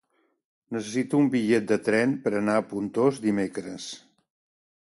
Necessito un bitllet de tren per anar a Pontós dimecres.